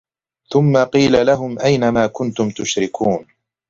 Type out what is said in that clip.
ثُمَّ قيلَ لَهُم أَينَ ما كُنتُم تُشرِكونَ